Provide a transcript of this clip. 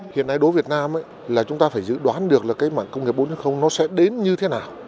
hiện nay đối với việt nam chúng ta phải dự đoán được công nghệ bốn sẽ đến như thế nào